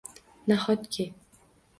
Nahotki!